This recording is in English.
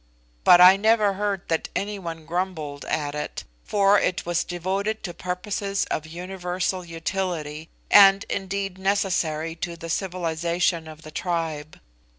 But I never heard that any one grumbled at it, for it was devoted to purposes of universal utility, and indeed necessary to the civilisation of the tribe.